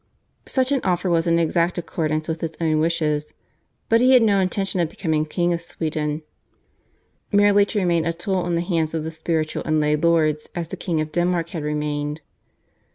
Such an offer was in exact accordance with his own wishes. But he had no intention of becoming king of Sweden merely to remain a tool in the hands of the spiritual and lay lords as the kings of Denmark had remained.